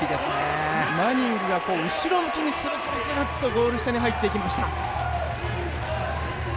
マニングがこう後ろ向きにスルスルスルっとゴール下に入っていきました。